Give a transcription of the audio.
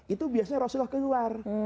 itu biasanya rasulullah keluar